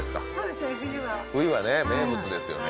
冬はね名物ですよね